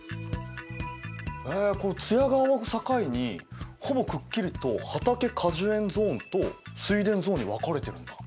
津屋川を境にほぼくっきりと畑果樹園ゾーンと水田ゾーンに分かれてるんだ。